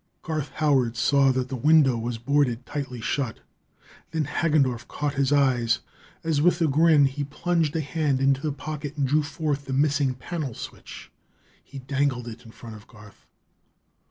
Garth Howard saw that the window was boarded tightly shut. Then Hagendorff caught his eyes as, with a grin, he plunged a hand into a pocket and drew forth the missing panel switch. He dangled it in front of Garth.